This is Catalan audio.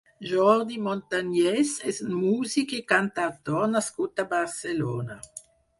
Jordi Montañez és un músic i cantautor nascut a Barcelona.